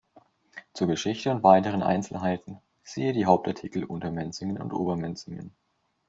Zur Geschichte und weiteren Einzelheiten siehe die Hauptartikel Untermenzing und Obermenzing.